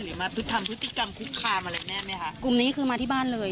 หรือมาทำพฤติกรรมคุกคามอะไรแน่ไหมคะกลุ่มนี้คือมาที่บ้านเลย